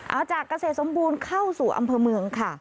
เอาจากเกษตรสมบูรณ์เข้าสู่อำเภอเมืองค่ะ